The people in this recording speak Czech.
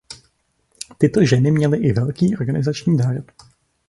Tyto ženy měly i velký organizační dar.